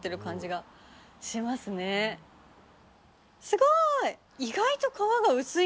すごい！